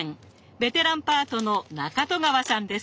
ベテランパートの中戸川さんです。